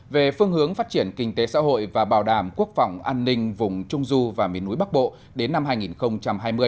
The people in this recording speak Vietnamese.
về phương hướng phát triển kinh tế xã hội và bảo đảm quốc phòng an ninh vùng trung du và miền núi bắc bộ đến năm hai nghìn hai mươi